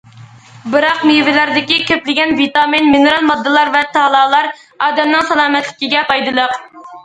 بىراق مېۋىلەردىكى كۆپلىگەن ۋىتامىن، مىنېرال ماددىلار ۋە تالالار ئادەمنىڭ سالامەتلىكىگە پايدىلىق.